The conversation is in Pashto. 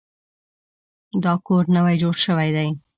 دا کور نوی جوړ شوی دی